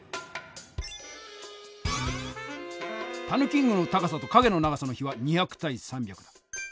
キングの高さと影の長さの比は２００対３００。